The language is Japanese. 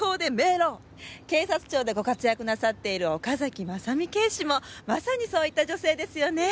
警察庁でご活躍なさっている岡崎真実警視もまさにそういった女性ですよね。